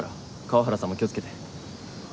河原さんも気をつけて。